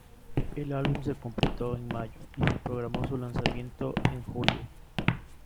El álbum se completó en mayo y se programó su lanzamiento en julio.